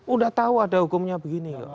udah tahu ada hukumnya begini kok